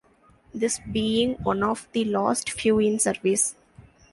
This being one of the last few in service.